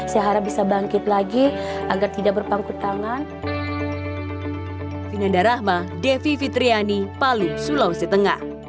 saya harap bisa bangkit lagi agar tidak berpangku tangan